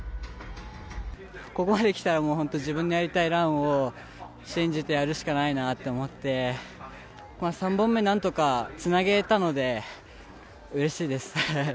ここまで来たら自分でやりたいランを信じてやるしかないなって思って、３本目、何とかつなげたのでうれしいです。